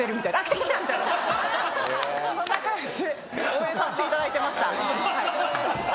そんな感じで応援させていただいてました。